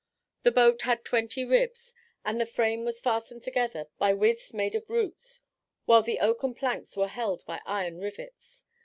The boat had twenty ribs, and the frame was fastened together by withes made of roots, while the oaken planks were held by iron rivets.